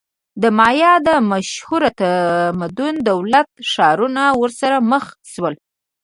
د مایا د مشهور تمدن دولت-ښارونه ورسره مخ شول.